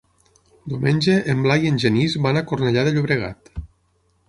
Diumenge en Blai i en Genís van a Cornellà de Llobregat.